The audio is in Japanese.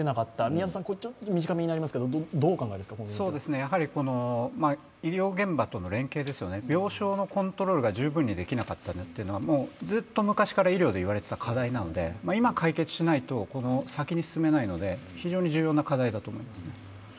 やはり医療現場との連携ですよね、病床のコントロールが十分にできなかったっていうのはずっと昔から医療で言われていた課題なので今解決しないと先に進めないので非常に重要な課題だと思います。